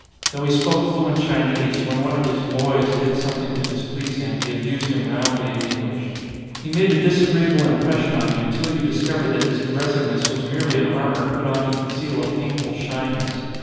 Though he spoke fluent Chinese, when one of his "boys" did something to displease him he abused him roundly in English. He made a disagreeable impression on you till you discovered that his aggressiveness was merely an armour put on to conceal a painful shyness.